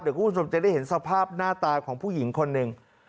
เดี๋ยวคุณผู้ชมจะได้เห็นสภาพหน้าตาของผู้หญิงคนหนึ่ง